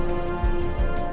sambil nunggu kita